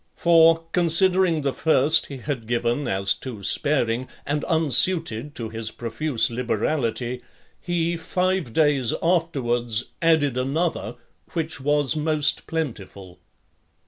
For, considering the first he had given as too sparing, and unsuited to his profuse liberality, he, five days afterwards, added another, which was most plentiful.